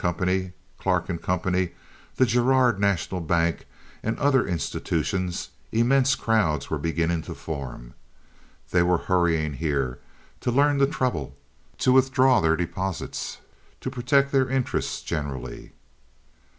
Clark & Co., the Girard National Bank, and other institutions, immense crowds were beginning to form. They were hurrying here to learn the trouble, to withdraw their deposits, to protect their interests generally.